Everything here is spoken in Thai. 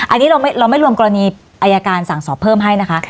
อันนี้เราไม่รวมกรณีอายการสั่งสอบเพิ่มให้นะคะ